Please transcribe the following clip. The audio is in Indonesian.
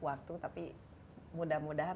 waktu tapi mudah mudahan